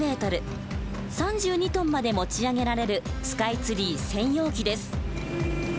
３２ｔまで持ち上げられるスカイツリー専用機です。